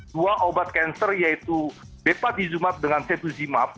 dua obat cancer yaitu bepatizumab dengan cetuzimab